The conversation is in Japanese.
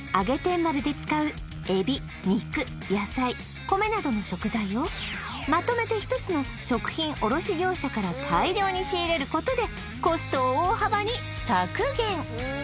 まるで使う海老肉野菜米などの食材をまとめて１つの食品卸業者から大量に仕入れることでコストを大幅に削減